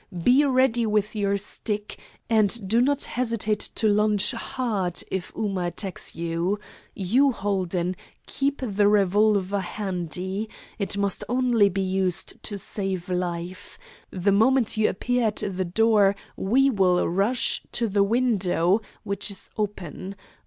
Be ready with your stick, and do not hesitate to lunge hard if Ooma attacks you. You, Holden, keep the revolver handy. It must only be used to save life. The moment you appear at the door we will rush to the window, which is open.